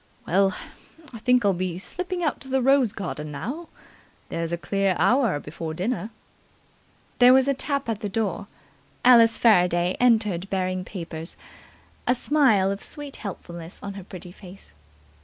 Well, I think I'll be slipping out to the rose garden again now. There's a clear hour before dinner." There was a tap at the door. Alice Faraday entered bearing papers, a smile of sweet helpfulness on her pretty face.